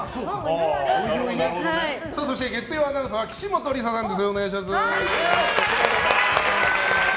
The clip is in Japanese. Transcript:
そして、月曜アナウンサーは岸本理沙さんです。